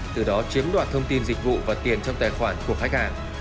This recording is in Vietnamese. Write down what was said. từ đó chiếm đoạt thông tin dịch vụ và tiền trong tài khoản của khách hàng